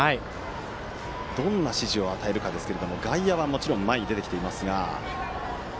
どんな指示を与えるかですが外野はもちろん前に出てきていますが。